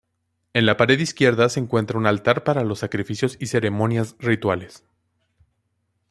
En la pared izquierda se encuentra un altar para los sacrificios y ceremonias rituales.